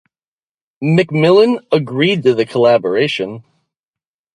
McMillan agreed to the collaboration.